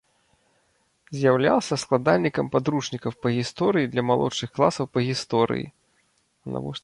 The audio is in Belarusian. З'яўляўся складальнікам падручнікаў па гісторыі для малодшых класаў па гісторыі.